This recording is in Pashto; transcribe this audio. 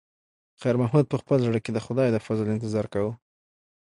خیر محمد په خپل زړه کې د خدای د فضل انتظار کاوه.